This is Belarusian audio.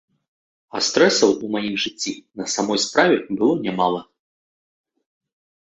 А стрэсаў ў маім жыцці на самой справе было нямала.